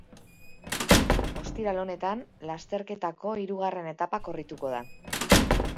Ostiral honetan lasterketako hirugarren etapa korrituko da.